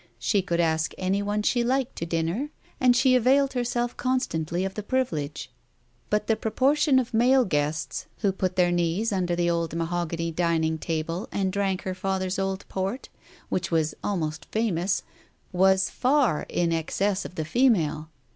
She could ask any one she liked to dinner and she availed herself constantly of the privilege — but the proportion of male guests who put Digitized by Google THE TIGER SKIN 235 their knees under the old mahogany dining table and drank her father's old port, which was almost famous, was far in excess of the female.